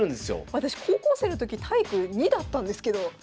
私高校生の時体育２だったんですけど。